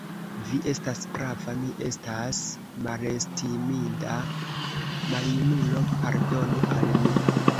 Vi estas prava, mi estas malestiminda maljunulo; pardonu al mi.